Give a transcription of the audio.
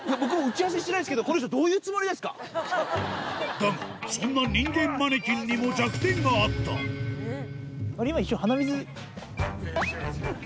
だがそんな人間マネキンにも弱点があった鼻水。